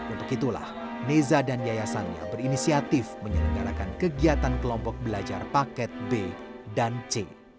untuk itulah neza dan yayasannya berinisiatif menyelenggarakan kegiatan kelompok belajar paket b dan c